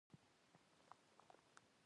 مېوې د افغانستان د سیلګرۍ برخه ده.